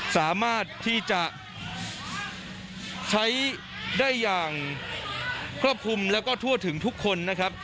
สามารถที่จะใช้ได้อย่างครอบคลุมแล้วก็ทั่วถึงทุกคนนะครับ